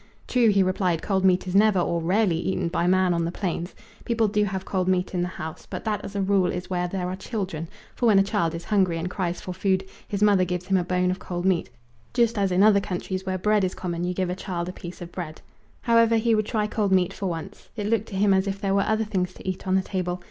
True, he replied, cold meat is never or rarely eaten by man on the plains. People do have cold meat in the house, but that as a rule is where there are children, for when a child is hungry, and cries for food, his mother gives him a bone of cold meat, just as in other countries where bread is common you give a child a piece of bread. However, he would try cold meat for once. It looked to him as if there were other things to eat on the table.